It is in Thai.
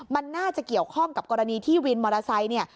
มันน่าจะเกี่ยวข้องกับกรณีที่วินมอเตอร์ไซค์เนี่ย